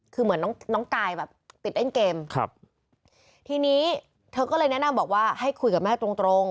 คือเหมือนน้องกายแบบติดได้เกมทีนี้เธอก็เลยแนะนำบอกว่าให้คุยกับแม่ตรง